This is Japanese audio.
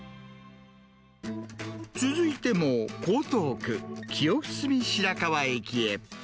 続いても、江東区、清澄白河駅へ。